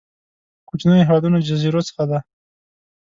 کوچنيو هېوادونو جزيرو څخه دي.